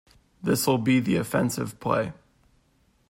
This will be the offensive play.